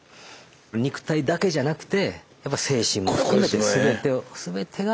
肉体だけじゃなくてやっぱ精神も含めてすべてがはい。